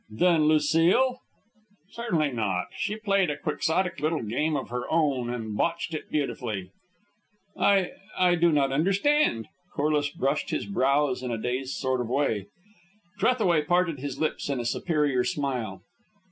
"Then Lucile ?" "Certainly not. She played a quixotic little game of her own and botched it beautifully." "I I do not understand." Corliss brushed his brows in a dazed sort of way. Trethaway parted his lips in a superior smile.